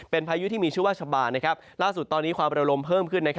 เป็นพายุที่มีชื่อว่าชะบานล่าสุดตอนนี้ความระลมเพิ่มขึ้น